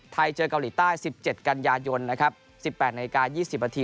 เจอเกาหลีใต้๑๗กันยายนนะครับ๑๘นาฬิกา๒๐นาที